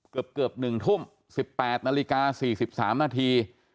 เกือบ๑ทุ่ม๑๘นาฬิกา๔๓นาที